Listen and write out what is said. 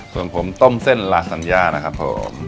ส่วนผมต้มเส้นลาสัญญานะครับผม